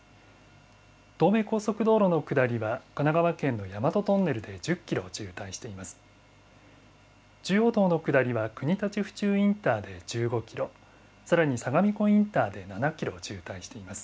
東名高速道路の下りは、神奈川県の大和トンネルで１０キロ渋滞しています。